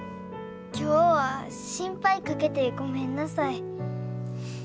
今日は心配かけてごめんなさい。